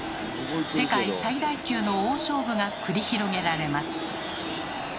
世界最大級の大勝負が繰り広げられます。